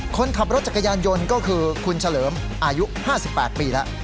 คนขับรถจักรยานยนต์ก็คือคุณเฉลิมอายุ๕๘ปีแล้ว